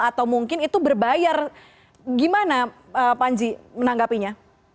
atau mungkin itu berbayar gimana panji menanggapinya